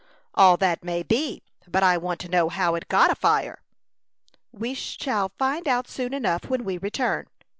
"All that may be; but I want to know how it got afire." "We shall find out soon enough when we return."